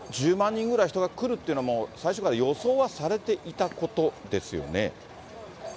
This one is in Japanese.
人ぐらい人が来るっていうのはもう、最初から予想はされていたことですよね。